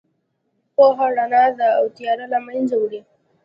پوهه رڼا ده او تیاره له منځه وړي.